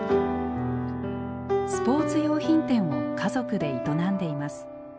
スポーツ用品店を家族で営んでいます。